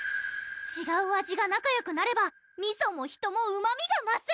ちがう味が仲よくなればみそも人もうまみがます！